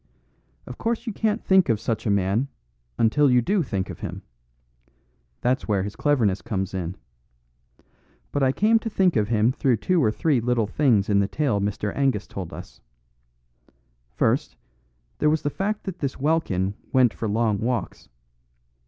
"Of course you can't think of such a man, until you do think of him. That's where his cleverness comes in. But I came to think of him through two or three little things in the tale Mr. Angus told us. First, there was the fact that this Welkin went for long walks.